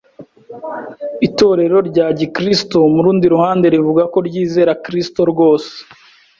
Itorero rya gikristo, mu rundi ruhande rivuga ko ryizera Kristo rwose,